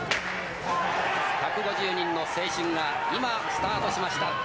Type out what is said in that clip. １５０人の青春が今、スタートしました。